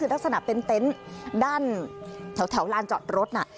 คือลักษณะเป็นเต็นต์ด้านแถวลานจอดรถน่ะ